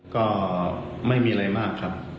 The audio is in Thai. ก็ไม่มีอะไรมากครับ